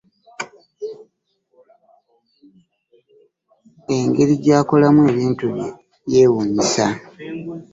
Engeri gy'akolamu ebintu bye yeewuunyisa.